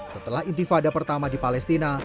setelah intifada pertama di palestina